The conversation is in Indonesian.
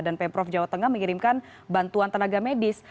dan pemprov jawa tengah mengirimkan bantuan tenaga medis